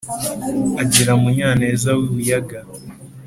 Agira Munyaneza w'i Buyaga: